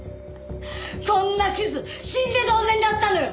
こんなクズ死んで当然だったのよ！